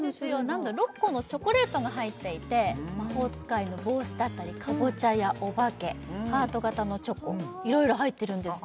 なんと６個のチョコレートが入っていて魔法使いの帽子だったりカボチャやお化けハート形のチョコいろいろ入ってるんです